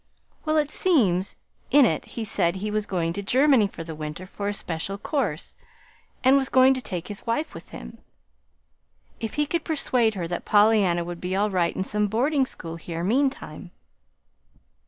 Well, it seems in it he said he was going to Germany for the winter for a special course, and was going to take his wife with him, if he could persuade her that Pollyanna would be all right in some boarding school here meantime.